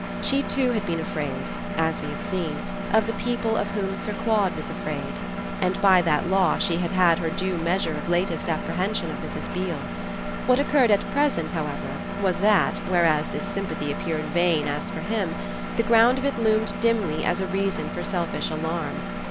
She too had been afraid, as we have seen, of the people of whom Sir Claude was afraid, and by that law she had had her due measure of latest apprehension of Mrs. Beale. What occurred at present, however, was that, whereas this sympathy appeared vain as for him, the ground of it loomed dimly as a reason for selfish alarm.